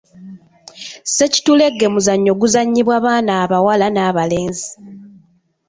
Ssekitulege muzannyo guzannyibwa baana abawala n'abalenzi.